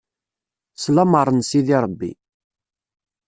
S lamer n sidi Rebbi.